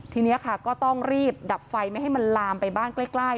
ทีนี้ค่ะก็ต้องรีบดับไฟไม่ให้มันลามไปบ้านใกล้